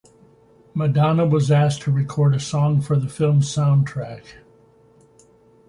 Madonna was asked to record a song for the film's soundtrack.